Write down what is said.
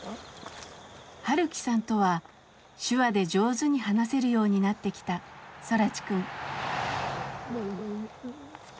晴樹さんとは手話で上手に話せるようになってきた空知くん。